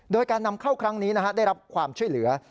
โดยการนำเข้าครั้งนี้ได้รับความช่วยเหลือ